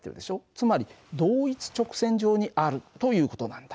つまり同一直線上にあるという事なんだ。